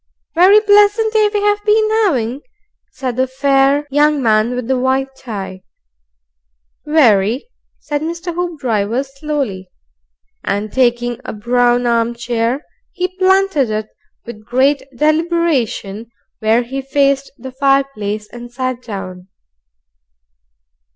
"Very pleasant day we've been 'aving," said the fair young man with the white tie. "Very," said Mr. Hoopdriver, slowly; and taking a brown armchair, he planted it with great deliberation where he faced the fireplace, and sat down.